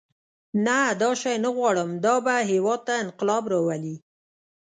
نه دا شی نه غواړم دا به هېواد ته انقلاب راولي.